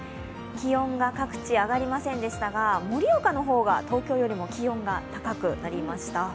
気温が各地上がりませんでしたが、盛岡の方が東京よりも気温が高くなりました。